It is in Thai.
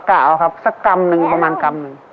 กะเอาครับสักกำหนึ่งประมาณกำหนึ่ง